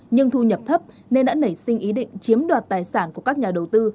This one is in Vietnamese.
nhưng thu nhập thấp nên đã nảy sinh ý định chiếm đoạt tài sản của các nhà đầu tư